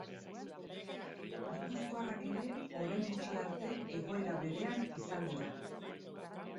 Gipuzkoarrak ere orain gutxi arte egoera berean izan dira.